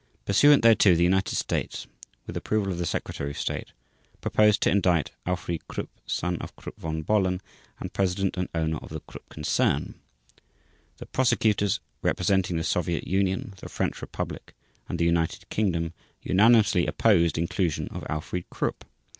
Pursuant thereto, the United States, with approval of the Secretary Of State, proposed to indict Alfried Krupp, son of Krupp von Bohlen, and president and owner of the Krupp concern. The Prosecutors representing the Soviet Union, the French Republic, and the United Kingdom unanimously opposed inclusion of Alfried Krupp.